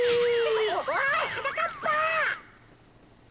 おいはなかっぱ！